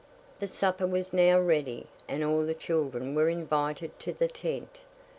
The supper was now ready, and all the children were invited to the tent.